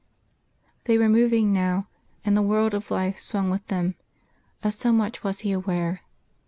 They were moving now, and the world of life swung with them; of so much was he aware.